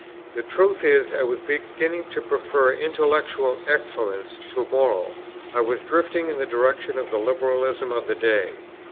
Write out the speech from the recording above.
The truth is, I was beginning to prefer intellectual excellence to moral; I was drifting in the direction of the Liberalism of the day.